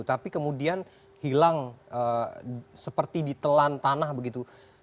tapi kemudian hilang seperti ditelan tanah begitu